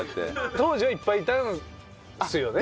当時はいっぱいいたんですよね。